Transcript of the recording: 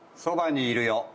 『そばにいるよ』